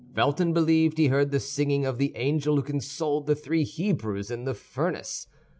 Felton believed he heard the singing of the angel who consoled the three Hebrews in the furnace.